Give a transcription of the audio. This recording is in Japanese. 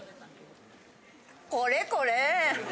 これこれ！